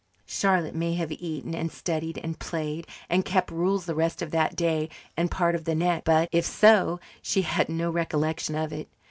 Charlotte may have eaten and studied and played and kept rules the rest of that day and part of the next, but, if so, she has no recollection of it.